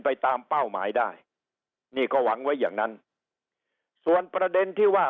ไปตามเป้าหมายได้นี่ก็หวังไว้อย่างนั้นส่วนประเด็นที่ว่า